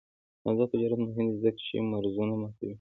آزاد تجارت مهم دی ځکه چې مرزونه ماتوي.